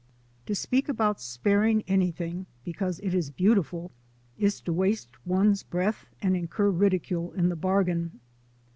TO SPEAK about sparing anything because it is beautiful is to waste one' 's breath and incur ridicule in the bargain.